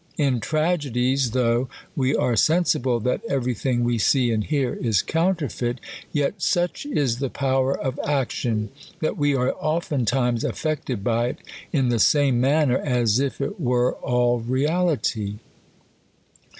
In tragedies, though w^e are sensible that every thing we see and hear is counterfeit ; yet such is the power of action, that we are oftentimes affected by it in the same manner as if it were all reality.